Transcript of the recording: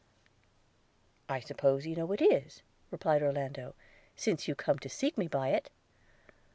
'I suppose you know it is,' replied Orlando, 'since you come to seek me by it.'